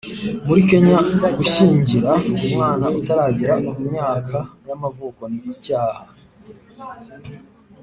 muri kenya, gushyingira umwana utarageza ku myaka y’amavuko ni icyaha